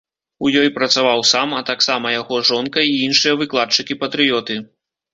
У ёй працаваў сам, а таксама яго жонка і іншыя выкладчыкі-патрыёты.